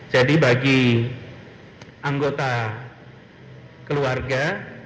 jadi bagi anggota keluarga